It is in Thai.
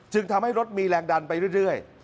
ทำให้รถมีแรงดันไปเรื่อย